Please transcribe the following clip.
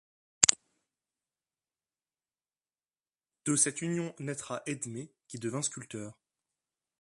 De cette union naîtra Edme, qui devint sculpteur.